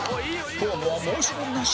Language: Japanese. フォームは申し分なし